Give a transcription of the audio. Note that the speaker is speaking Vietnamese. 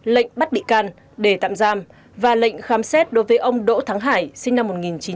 lệnh bắt bị can để tạm giam và lệnh khám xét đối với ông đỗ thắng hải sinh năm một nghìn chín trăm tám mươi